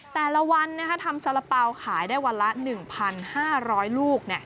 แต่ละวันทำสาระเป๋าขายได้วันละ๑๕๐๐ลูก